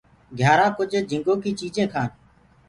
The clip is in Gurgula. گھيآرآ ڪُج جھِنگو ڪي چيجينٚ کآن۔